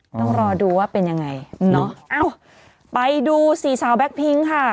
ต้องรอดูว่าเป็นยังไงเนอะเอ้าไปดูสี่สาวแบ็คพิ้งค่ะ